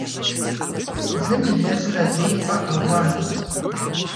Зым илэжьыр - адрейм фӀэауант.